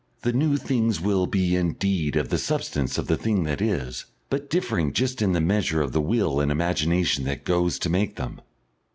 The new things will be indeed of the substance of the thing that is, but differing just in the measure of the will and imagination that goes to make them.